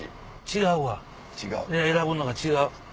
違うわ選ぶのが違う。